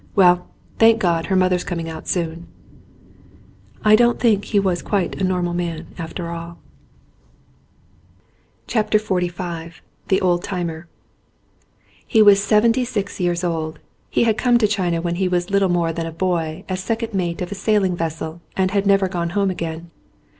"Well, thank God, her mother's coming out soon." I don't think he was quite a normal man after all. 178 XLV THE OLD TIMER HE was seventy six years old. He had come to China when he was little more than a boy as second mate of a sailing vessel and had never gone home again.